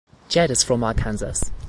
Jed is from Arkansas.